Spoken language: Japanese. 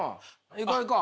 行こ行こ！